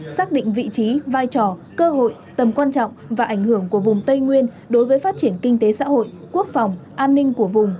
xác định vị trí vai trò cơ hội tầm quan trọng và ảnh hưởng của vùng tây nguyên đối với phát triển kinh tế xã hội quốc phòng an ninh của vùng